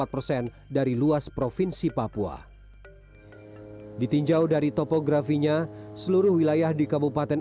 empat persen dari luas provinsi papua ditinjau dari topografinya seluruh wilayah di kabupaten